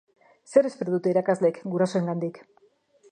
Zer espero dute irakasleek gurasoengandik?